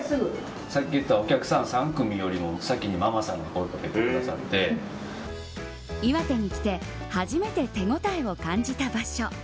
さっき言ったお客さん３組よりも先にママさんが岩手に来て初めて手応えを感じた場所。